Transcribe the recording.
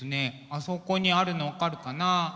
あそこにあるの分かるかな？